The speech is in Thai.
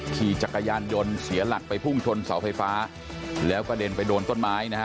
ขี่จักรยานยนต์เสียหลักไปพุ่งชนเสาไฟฟ้าแล้วกระเด็นไปโดนต้นไม้นะฮะ